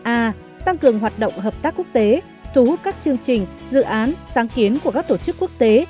a tăng cường hoạt động hợp tác quốc tế thu hút các chương trình dự án sáng kiến của các tổ chức quốc tế